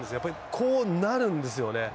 こうなるんですよね。